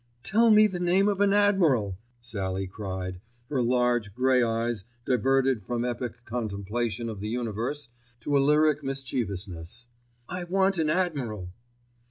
"Tell me the name of an admiral," Sallie cried, her large, grey eyes diverted from epic contemplation of the universe to a lyric mischievousness. "I want an admiral."